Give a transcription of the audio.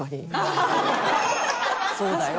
そうだよ。